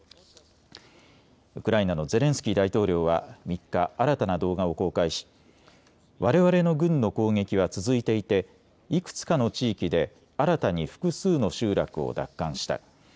ウクライナのゼレンスキー大統領は３日、新たな動画を公開しわれわれの軍の攻撃は続いていていくつかの地域で新たに複数の集落を奪還した。